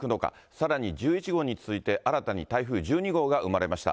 さらに１１号に続いて、新たに台風１２号が生まれました。